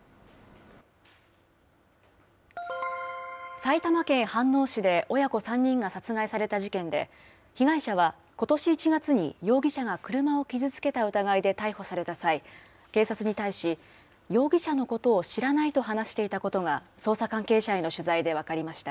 埼玉県飯能市で親子３人が殺害された事件で、被害者はことし１月に容疑者が車を傷つけた疑いで逮捕された際、警察に対し、容疑者のことを知らないと話していたことが、捜査関係者への取材で分かりました。